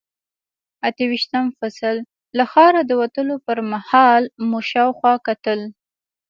اته ویشتم فصل، له ښاره د وتلو پر مهال مو شاوخوا کتل.